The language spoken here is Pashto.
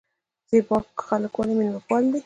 زیباک خلک ولې میلمه پال دي؟